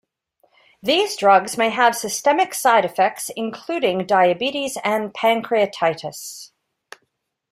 These drugs may have systemic side effects including diabetes and pancreatitis.